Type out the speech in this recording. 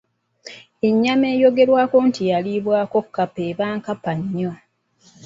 Ennyama eyogerwako nti yaliibwako kkapa eba nkapa nnyo.